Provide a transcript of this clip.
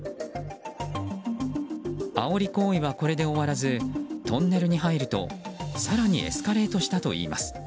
あおり行為はこれで終わらずトンネルに入ると更にエスカレートしたといいます。